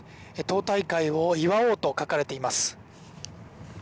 党大会を祝おうと書かれています。